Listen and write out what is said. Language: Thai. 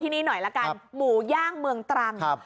ที่นี่หน่อยละกันหมูย่างเมืองตรัง